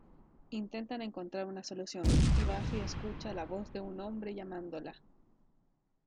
Intentan encontrar una solución y Buffy escucha la voz de un hombre llamándola.